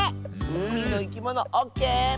「うみのいきもの」オッケー！